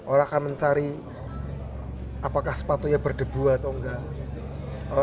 orang akan mencari apakah sepatunya berdebu atau enggak